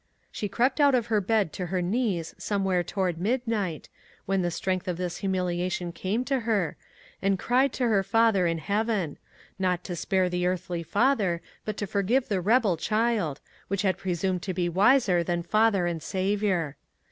She crept out of bed to her knees somewhere toward midnight, when the strength of this humiliation came to her, and cried to her Father in heaven — not to spare the earthly father — but to forgive the rebel child, who had presumed to be wiser than Father and Saviour.